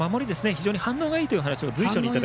非常に反応がいいという話でした。